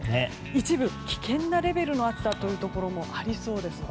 一部、危険なレベルの暑さのところもありそうです。